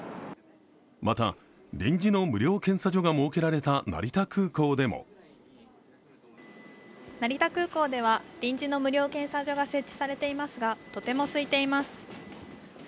また、臨時の無料検査場が設けられた成田空港でも成田空港では臨時の無料検査所が設置されていますがとてもすいています。